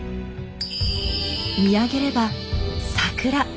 見上げれば桜。